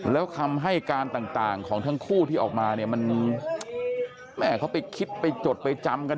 แล้วคำให้การต่างของทั้งคู่ที่ออกมาเนี่ยมันแม่เขาไปคิดไปจดไปจำกัน